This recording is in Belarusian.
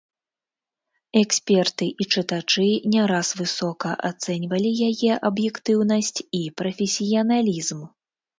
Эксперты і чытачы не раз высока ацэньвалі яе аб'ектыўнасць і прафесіяналізм.